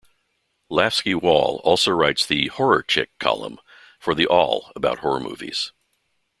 Lafsky Wall also writes the "Horror Chick" column for The Awl about horror movies.